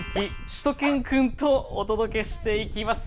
しゅと犬くんとお届けしていきます。